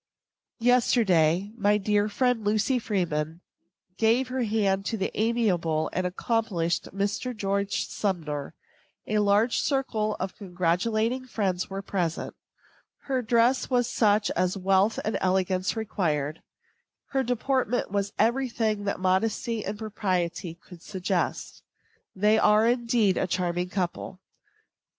Yesterday, my dear friend, Lucy Freeman, gave her hand to the amiable and accomplished Mr. George Sumner. A large circle of congratulating friends were present. Her dress was such as wealth and elegance required. Her deportment was every thing that modesty and propriety could suggest. They are, indeed, a charming couple.